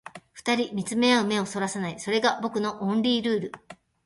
二人見つめ合う目を逸らさない、それが僕のオンリールール